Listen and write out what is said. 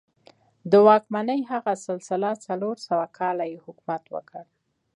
د واکمنۍ هغه سلسله څلور سوه کاله یې حکومت وکړ.